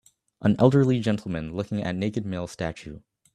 An elderly gentlemen looking at naked male statue